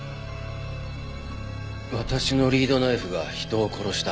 私のリードナイフが人を殺した。